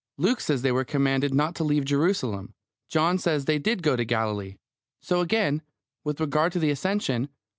Luke says they were commanded not to leave Jerusalem. John says they did go to Galilee. So, again, with regard to the Ascension.